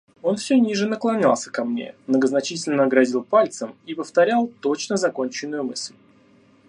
Он все ниже наклонялся ко мне, многозначительно грозил пальцем и повторял точно законченную мысль.